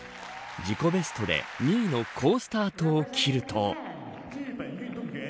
自己ベストで２位の好スタートを切ると。